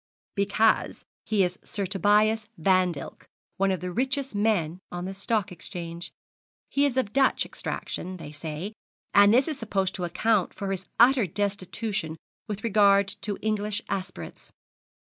'Because he is Sir Tobias Vandilk, one of the richest men on the Stock Exchange. He is of Dutch extraction, they say; and this is supposed to account for his utter destitution with regard to English aspirates.